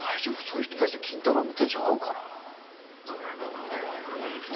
そういう人たちと金太郎のテンション合うかな？